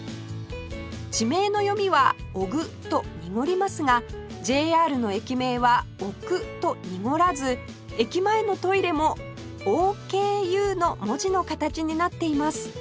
地名の読みは「おぐ」と濁りますが ＪＲ の駅名は「おく」と濁らず駅前のトイレも「ＯＫＵ」の文字の形になっています